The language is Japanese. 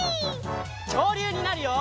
きょうりゅうになるよ！